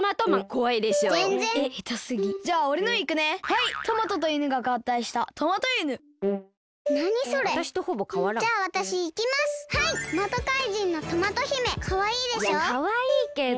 いやかわいいけど。